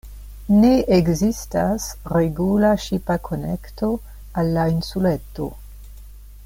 Ne ekzistas regula ŝipa konekto al la insuleto.